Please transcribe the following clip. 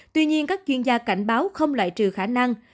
tuy nhiên các chuyên gia cảnh báo không loại trừ khả năng